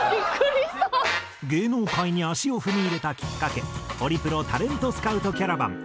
芸能界に足を踏み入れたきっかけホリプロタレントスカウトキャラバン。